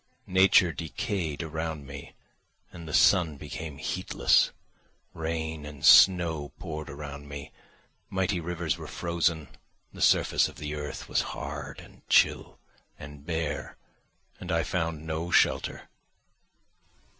Nature decayed around me, and the sun became heatless; rain and snow poured around me; mighty rivers were frozen; the surface of the earth was hard and chill, and bare, and I found no shelter.